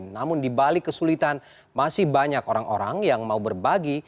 namun dibalik kesulitan masih banyak orang orang yang mau berbagi